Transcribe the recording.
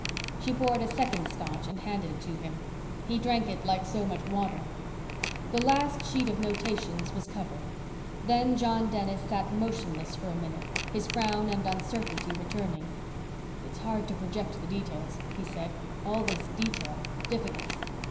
She poured a second Scotch and handed it to him. He drank it like so much water. The last sheet of notations was covered. Then John Dennis sat motionless for a minute, his frown and uncertainty returning. "It's hard to project the details," he said. "All this detail. Difficult."